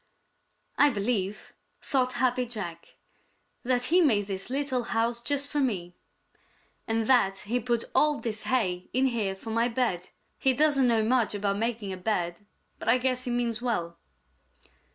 "I believe," thought Happy Jack, "that he made this little house just for me, and that he put all this hay in here for my bed. He doesn't know much about making a bed, but I guess he means well."